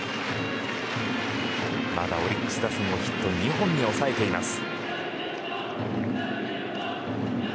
まだオリックス打線をヒット２本に抑えています。